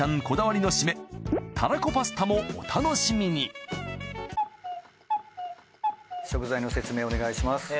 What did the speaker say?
こだわりのシメたらこパスタもお楽しみに食材の説明お願いします。